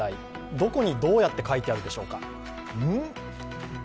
どこにどうやって描いてあるでしょうか？